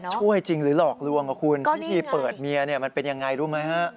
ช่วยจริงหรือหลอกลวงพิธีเปิดเมียมันเป็นอย่างไรรู้ไหมคะ